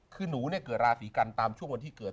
คือหนูเกิดราศีกันตามช่วงวันที่เกิด